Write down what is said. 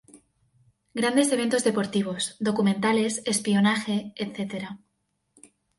Grandes eventos deportivos, documentales, espionaje..etc.